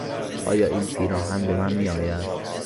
آیا این پیراهن به من میآید؟